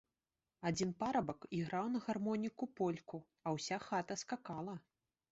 Адзін парабак іграў на гармоніку польку, а ўся хата скакала.